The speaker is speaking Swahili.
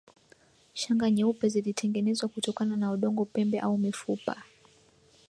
Shanga nyeupe zilitengenezwa kutokana na udongo pembe au mifupa